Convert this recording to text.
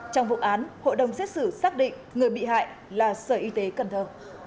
trong vụ án hội đồng xét xử xác định người bị hại là sở y tế cần thơ